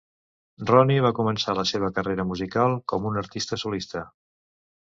Ronnie va començar la seva carrera musical com un artista solista.